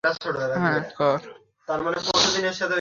বাইরে সন্তানের মুখ দেখার জন্য অপেক্ষা করতে লাগলেন রাজা।